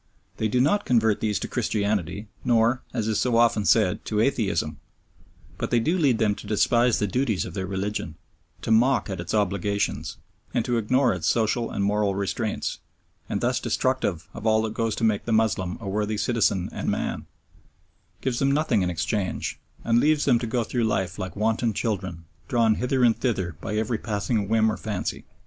They do not convert these to Christianity nor, as is so often said, to atheism, but they do lead them to despise the duties of their religion, to mock at its obligations, and to ignore its social and moral restraints, and thus destructive of all that goes to make the Moslem a worthy citizen and man, gives them nothing in exchange, and leaves them to go through life like wanton children drawn hither and thither by every passing whim or fancy.